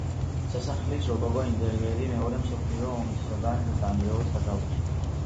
სასახლის როკოკო ინტერიერი მეორე მსოფლიო ომისგან დანგრევას გადაურჩა.